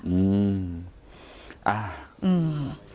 อืมอ่าอืม